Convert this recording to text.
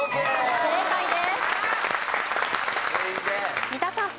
正解です。